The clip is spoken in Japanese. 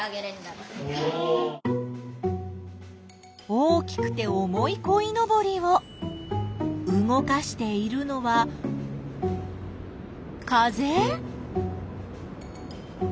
大きくて重いこいのぼりを動かしているのは風？